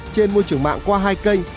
trên môi trường mạng qua hai kênh